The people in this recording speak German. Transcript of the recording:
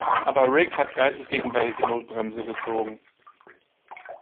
Aber Rick hat geistesgegenwärtig die Notbremse gezogen.